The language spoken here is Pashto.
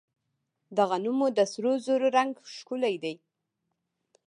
د غنمو د سرو زرو رنګ ښکلی دی.